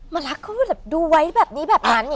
มารักเค้าดูไว้แบบนี้แบบนั้นอย่างนี้